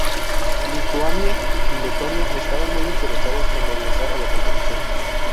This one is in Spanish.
Lituania y Letonia estaban muy interesados en regresar a la competición.